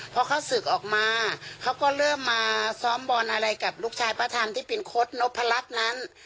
พอเขาศึกออกมาเขาก็เริ่มมาซ้อมบอลอะไรกับลูกชายพระธรรมที่เป็นโค้ดนพรัชนั้น